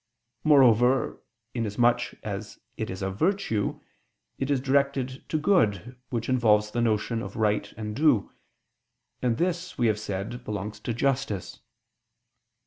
Moreover, inasmuch as it is a virtue, it is directed to good which involves the notion of right and due; and this, we have said, belongs to justice.